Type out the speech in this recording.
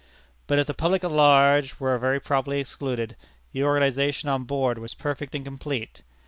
But if the public at large were very properly excluded, the organization on board was perfect and complete.